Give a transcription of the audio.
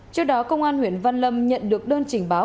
trước đó công an huyện văn lâm nhận được đơn trình báo